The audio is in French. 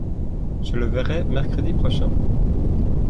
je le verrai mercredi prochain.